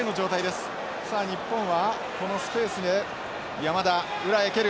さあ日本はこのスペースへ山田裏へ蹴る。